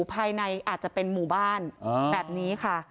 ภายในอาจจะเป็นหมู่บ้านแบบนี้ค่ะ